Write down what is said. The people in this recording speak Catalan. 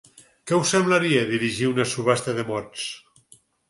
Què us semblaria dirigir una subhasta de mots?